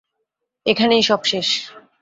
এখানেই সব শেষ।